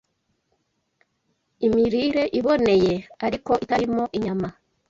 Imirire Iboneye, ariko Itarimo Inyama